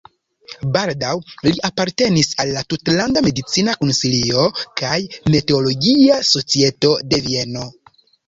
Baldaŭ li apartenis al la tutlanda medicina konsilio kaj meteologia societo de Vieno.